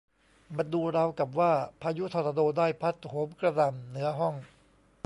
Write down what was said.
มันดูราวกับว่าพายุทอร์นาโดได้พัดโหมกระหน่ำเหนือห้อง